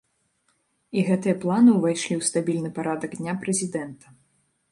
І гэтыя планы ўвайшлі ў стабільны парадак дня прэзідэнта.